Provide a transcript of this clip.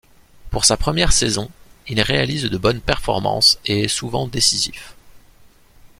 Pour sa première saison, il réalise de bonnes performances et est souvent décisif.